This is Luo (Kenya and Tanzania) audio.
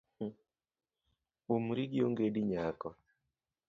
Umri gi ongedi nyako.